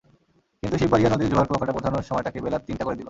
কিন্তু শিববাড়িয়া নদীর জোয়ার কুয়াকাটা পৌঁছানোর সময়টাকে বেলা তিনটা করে দিল।